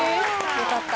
よかった。